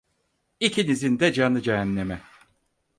İkinizin de canı cehenneme.